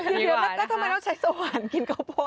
แล้วทำไมเราใช้สว่านกินข้าวโพด